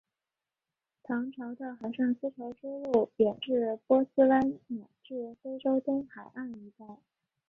唐朝的海上丝绸之路远至波斯湾乃至非洲东海岸一带。